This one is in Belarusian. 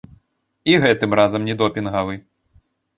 І гэтым разам не допінгавы.